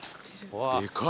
でかい。